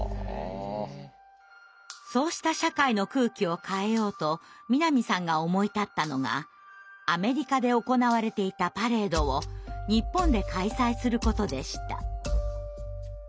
そうした社会の空気を変えようと南さんが思い立ったのがアメリカで行われていたパレードを日本で開催することでした。